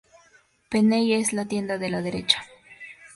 Penney es la tienda de la derecha.